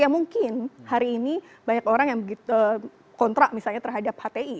ya mungkin hari ini banyak orang yang kontrak misalnya terhadap hti